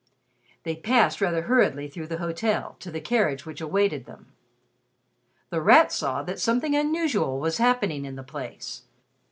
They passed rather hurriedly through the hotel to the carriage which awaited them. The Rat saw that something unusual was happening in the place.